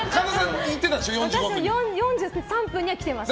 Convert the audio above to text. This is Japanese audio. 私は４３分には来てました。